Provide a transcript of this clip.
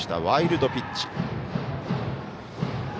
ワイルドピッチ。